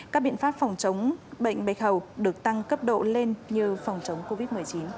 các biện pháp phòng chống bệnh bạch hầu được tăng cấp độ lên như phòng chống covid một mươi chín